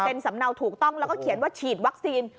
เป็นสำเนาถูกต้องแล้วก็เขียนว่าฉีดวัคซีน